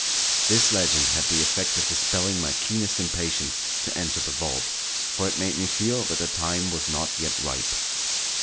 This legend had the effect of dispelling my keenest impatience to enter the vault, for it made me feel that the time was not yet ripe.